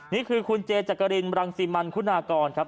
นี่คือคุณเจจักรินรังสิมันคุณากรครับ